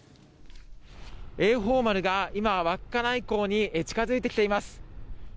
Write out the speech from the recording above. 「栄宝丸」が今、稚内港に近付いてきています。